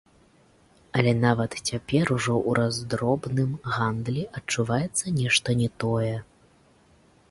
Але нават цяпер ужо ў раздробным гандлі адчуваецца нешта не тое.